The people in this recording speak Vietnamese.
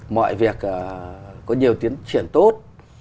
mọi việc có nhiều tiến triển tốt